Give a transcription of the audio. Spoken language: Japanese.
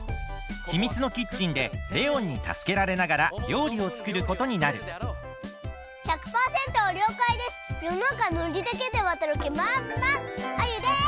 ひみつのキッチンでレオンにたすけられながらりょうりをつくることになる１００パーセントりょうかいです！よのなかノリだけでわたるきまんまんアユです！